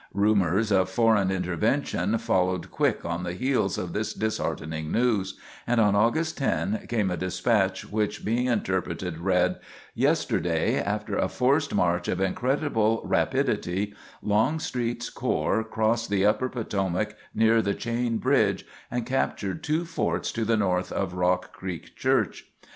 Rumors of foreign intervention followed quick on the heels of this disheartening news, and on August 10 came a despatch which, being interpreted, read: "Yesterday, after a forced march of incredible rapidity, Longstreet's corps crossed the Upper Potomac near the Chain Bridge, and captured two forts to the north of Rock Creek Church.